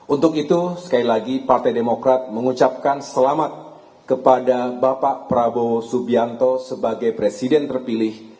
untuk itu sekali lagi partai demokrat mengucapkan selamat kepada bapak prabowo subianto sebagai presiden terpilih